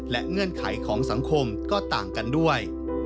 และเงื่อนไขของสังคมก็ต่างกันด้วย